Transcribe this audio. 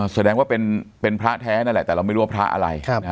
แสดงว่าเป็นพระแท้นั่นแหละแต่เราไม่รู้ว่าพระอะไร